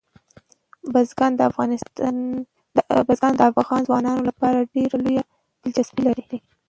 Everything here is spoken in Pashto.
بزګان د افغان ځوانانو لپاره ډېره لویه دلچسپي لري.